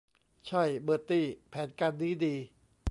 ใช่ เบอร์ตี้ แผนการนี้ดี